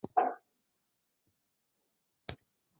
科曼奇是位于美国得克萨斯州科曼奇县的一个城市。